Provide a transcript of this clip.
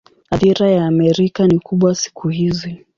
Athira ya Amerika ni kubwa siku hizi.